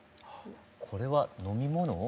これは飲み物？